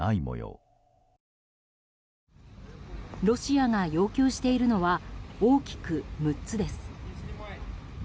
ロシアが要求しているのは大きく６つです。